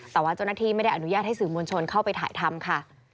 แต่ว่าเจ้าหน้าที่ไม่ได้อนุญาตให้สื่อมวลชนเข้าไปถ่ายทำค่ะ